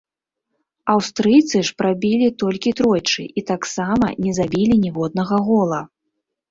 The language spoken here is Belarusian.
Аўстрыйцы ж прабілі толькі тройчы, і таксама не забілі ніводнага гола.